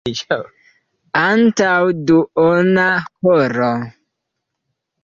Antaŭ duona horo.